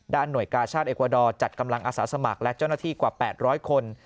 หน่วยกาชาติเอกวาดอร์จัดกำลังอาสาสมัครและเจ้าหน้าที่กว่า๘๐๐คน